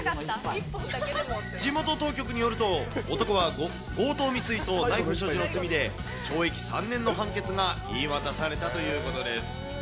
地元当局によると、男は強盗未遂とナイフ所持の罪で、懲役３年の判決が言い渡されたということです。